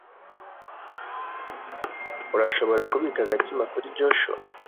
Urashobora kubika agatsima kuri Joshua.